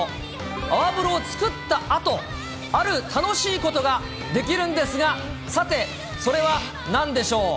泡風呂を作ったあと、ある楽しいことができるんですが、さて、それはなんでしょう？